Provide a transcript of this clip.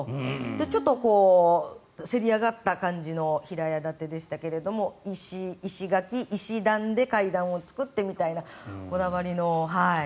ちょっとせり上がった感じの平屋建てでしたが石垣、石段で階段を作ってみたいなこだわりの。